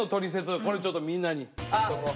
これちょっとみんなに言っとこう。